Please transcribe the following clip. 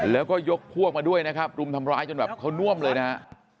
แล้วก็ยกพวกมาด้วยนะครับรุมทำร้ายจนแบบเขาน่วมเลยนะฮะ